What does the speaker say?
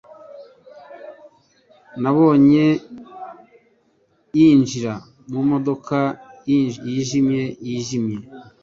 Nabonye yinjira mu modoka yijimye yijimye.